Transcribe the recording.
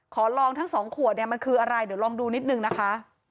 ขอลองทั้งสองขวดเนี่ยมันคืออะไรเดี๋ยวลองดูนิดนึงนะคะ